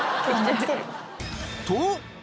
と！